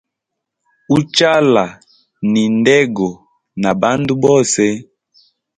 Uchala ni ndego na bandu bose.